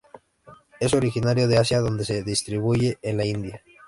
Es originario de Asia donde se distribuye en la India.